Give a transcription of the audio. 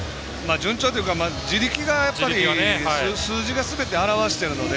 順調というか自力が、数字がすべて表しているので。